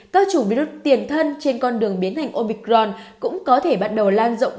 các chủng virus tiền thân trên con đường biến thành omicron cũng có thể bắt đầu lan rộng